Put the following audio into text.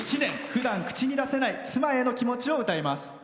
ふだん口に出せない妻への気持ちを歌います。